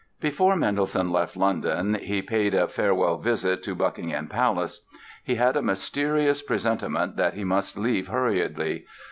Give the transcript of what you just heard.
Before Mendelssohn left London he paid a farewell visit to Buckingham Palace. He had a mysterious presentiment that he must leave hurriedly.